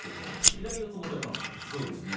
左四つも取れますね。